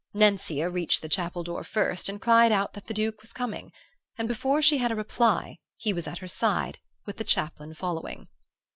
Nencia reached the chapel door first and cried out that the Duke was coming; and before she had a reply he was at her side, with the chaplain following.